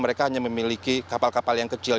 mereka hanya memiliki kapal kapal yang kecil